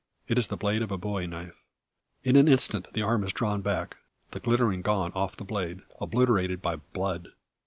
It is the blade of a bowie knife. In an instant the arm is drawn back, the glittering gone off the blade, obliterated by blood!